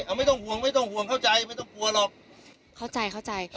เอาไม่ต้องห่วงไม่ต้องห่วงเข้าใจไม่ต้องกลัวหรอกเข้าใจเข้าใจ